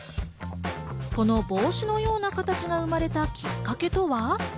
この帽子のような形が生まれたきっかけとは。